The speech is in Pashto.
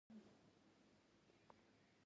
اورینوکو سیند چیرې تویږي؟